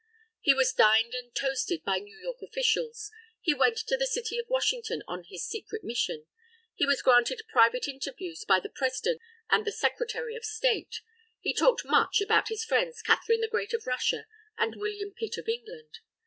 He was dined and toasted by New York officials. He went to the City of Washington on his secret mission. He was granted private interviews by the President and Secretary of State. He talked much about his friends Catherine the Great of Russia and William Pitt of England.